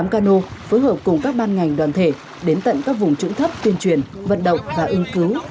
tám cano phối hợp cùng các ban ngành đoàn thể đến tận các vùng trụng thấp tuyên truyền vận động và ưng cứu